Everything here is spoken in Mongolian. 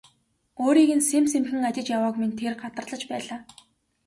Өөрийг нь сэм сэмхэн ажиж явааг минь тэр гадарлаж байлаа.